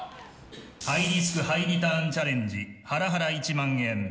ハイリスクハイリターンチャレンジハラハラ１万円。